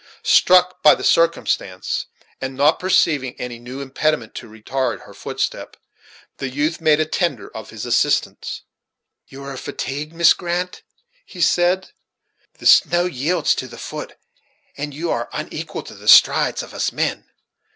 Struck by the circumstance, and not perceiving any new impediment to retard her footstep, the youth made a tender of his assistance. "You are fatigued, Miss Grant," he said; "the snow yields to the foot, and you are unequal to the strides of us men.